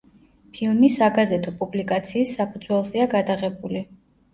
ფილმი საგაზეთო პუბლიკაციის საფუძველზეა გადაღებული.